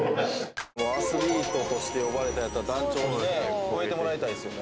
「アスリートとして呼ばれたんやったら団長もね超えてもらいたいですよね」